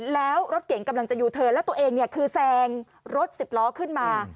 แล้วรถเก่งกำลังจะยูเทิร์นแล้วตัวเองเนี่ยคือแซงรถสิบล้อขึ้นมา